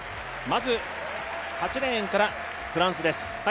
まず８レーンからフランスです。